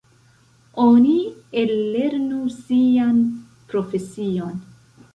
Oni ellernu sian profesion.